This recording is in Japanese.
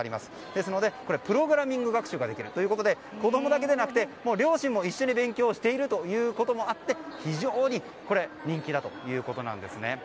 ですのでプログラミング学習ができるということで子供だけでなく、両親も一緒に勉強しているということもあって非常に人気だということです。